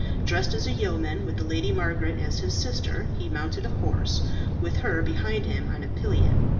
Dressed as a yeoman, with the Lady Margaret as his sister, he mounted a horse, with her behind him on a pillion.